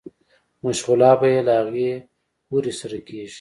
مشغولا به ئې له هغې حورې سره کيږي